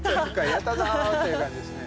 「やったぞ」っていう感じですね。